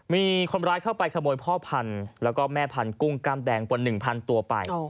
มีคนร้ายเข้าไปขโมยพ่อพันธุ์แล้วก็แม่พันธุ์กุ้งกล้ามแดงกว่า๑๐๐ตัวไป